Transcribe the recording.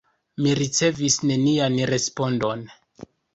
Mi ricevis nenian respondon.